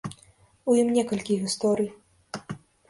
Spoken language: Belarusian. У ім некалькі гісторый.